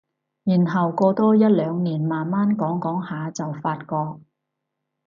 然後過多一兩年慢慢講講下就發覺